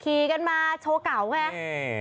ขี่กันมาโชว์เก่าไงยกล้อ